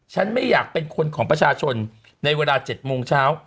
ไม่อยากเป็นคนของประชาชนในเวลา๗โมงเช้า